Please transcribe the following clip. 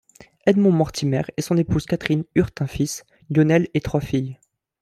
Edmond Mortimer et son épouse Catrin eurent un fils, Lionel, et trois filles.